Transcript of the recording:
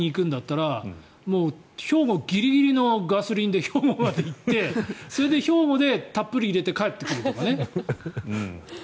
兵庫に行くんだったら兵庫ギリギリのガソリンで兵庫に行ってそれで兵庫でたっぷり入れて帰ってくるとかね。